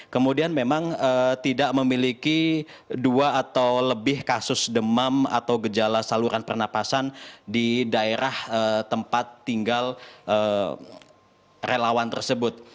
kemudian memang tidak memiliki dua atau lebih kasus demam atau gejala saluran pernapasan di daerah tempat tinggal relawan tersebut